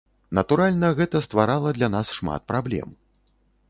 Натуральна, гэта стварала для нас шмат праблем.